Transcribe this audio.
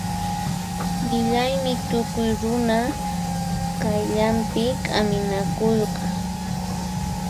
Millaymi tukuy runa qayllanpi k'aminakuyqa.